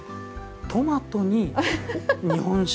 トマトに日本酒。